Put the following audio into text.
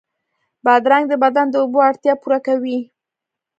بادرنګ د بدن د اوبو اړتیا پوره کوي.